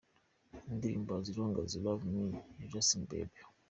Indirimbo "As long as you Love me" ya Justin Beiber